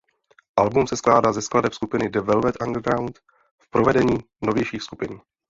Album se skládá ze skladeb skupiny The Velvet Underground v provedení novějších skupin.